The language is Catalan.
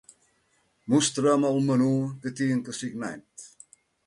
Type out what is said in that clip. Mostra'm el menú que tinc assignat.